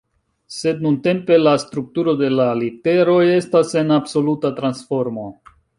Sed nuntempe, la strukturo de la literoj estas en absoluta transformo.